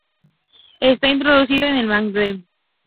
Está introducido en el Magreb.